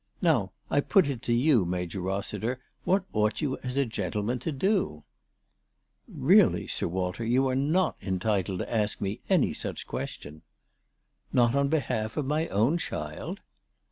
Now I put it to you, Major Rossiter, what ought you as a gentleman to do ?"" Really, Sir Walter, you are not entitled to ask me any such question." " Not on behalf of my own child